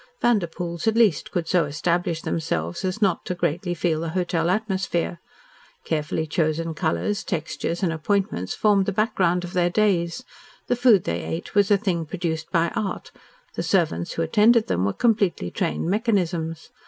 Vanderpoels, at least, could so establish themselves as not to greatly feel the hotel atmosphere. Carefully chosen colours textures, and appointments formed the background of their days, the food they ate was a thing produced by art, the servants who attended them were completely trained mechanisms.